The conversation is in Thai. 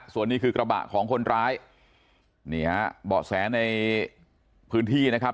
ส่วนนี้คือกระบะของคนร้ายนี่ฮะเบาะแสในพื้นที่นะครับ